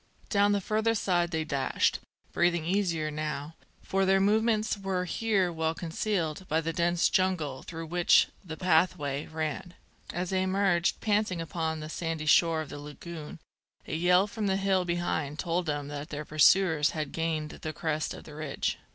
Down the further side they dashed, breathing easier now, for their movements were here well concealed by the dense jungle through which the pathway ran. As they emerged panting upon the sandy shore of the lagoon, a yell from the hill behind told them that their pursuers had gained the crest of the ridge.